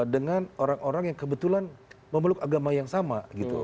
dengan orang orang yang kebetulan memeluk agama yang sama gitu